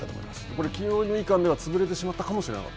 これ、起用いかんでは潰れてしまったかもしれない？